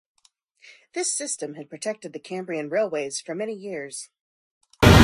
This system had protected the Cambrian Railways for many years.